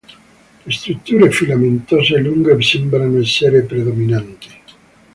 Le strutture filamentose lunghe sembrano essere predominanti.